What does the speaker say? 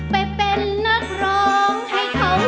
ไปเป็นนักรองให้เขารั้ว